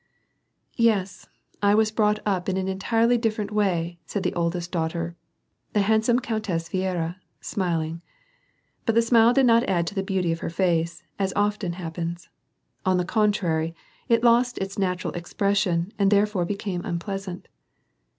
" Yes, I was brought up in an entirely different way," said the oldest daughter, the handsome Countess Viera, smiling. But the smile <£d not add to the beauty of her face, as often happens ; on the contrary it lost its natural expression and therefore became unpleasant.